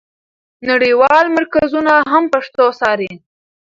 نړیوال مرکزونه هم پښتو څاري.